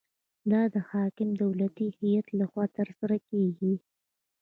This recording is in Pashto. دا د حاکم دولتي هیئت لخوا ترسره کیږي.